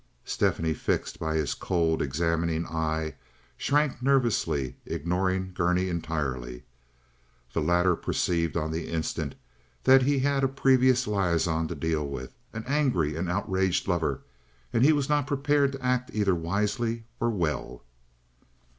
Stephanie, fixed by his cold, examining eye, shrank nervously, ignoring Gurney entirely. The latter perceived on the instant that he had a previous liaison to deal with—an angry and outraged lover—and he was not prepared to act either wisely or well.